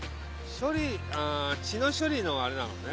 ・処理血の処理のあれなのね。